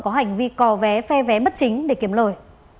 có hành vi cò vé phe vé bất chính để kiếm lời